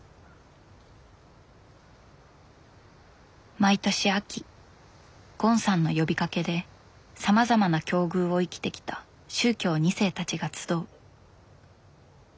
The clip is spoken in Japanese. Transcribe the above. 毎年秋ゴンさんの呼びかけでさまざまな境遇を生きてきた宗教２世たちが集う。